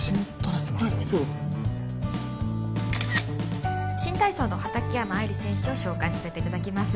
はいどうぞ新体操の畠山愛理選手を紹介させていただきます